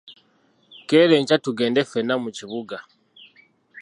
Keera enkya tugende ffenna mu kibuga.